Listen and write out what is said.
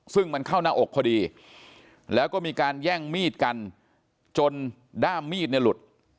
ซึ่งมันเข้าหน้าอกพอดีแล้วก็มีการแย่งมีดกันจนด้ามมีดเนี่ยหลุด